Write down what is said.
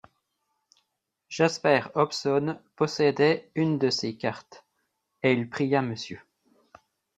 Jasper Hobson possédait une de ces cartes, et il pria Mrs.